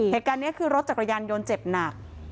เหตุการณ์นี้คือรถจักรยานยนต์เจ็บหนัก